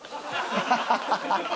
ハハハハ！